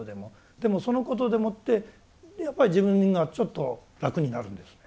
でもそのことでもってやっぱり自分がちょっと楽になるんですね。